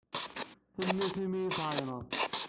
Tanemmirt imi i iyi-d-tɛeyyneḍ.